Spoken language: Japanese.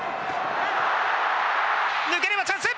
抜ければチャンス！